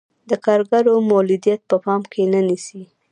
د کارګرو مولدیت په پام کې نه نیسي.